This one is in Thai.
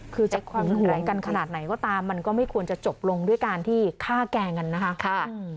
คือจะความหวงกันขนาดไหนก็ตามมันก็ไม่ควรจะจบลงด้วยการที่ฆ่าแกล้งกันนะคะ